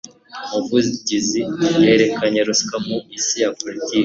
Umuvugizi yerekana ruswa mu isi ya politiki